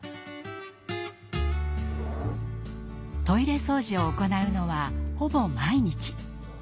トイレ掃除を行うのはほぼ毎日。